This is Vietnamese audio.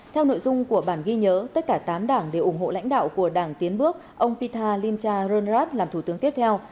theo nội dung của bản ghi nhớ tất cả tám đảng đều ủng hộ lãnh đạo của đảng tiến bước ông pitha limcharurat làm thủ tướng tiếp theo